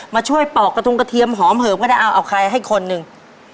มาช่วยปอกกระทงกระเทียมหอมเหิมก็ได้เอาเอาใครให้คนหนึ่ง